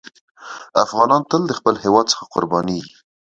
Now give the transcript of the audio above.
افغانان تل د خپل هېواد څخه قربانېږي.